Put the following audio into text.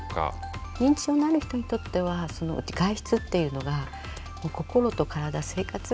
認知症のある人にとっては外出っていうのが心と体生活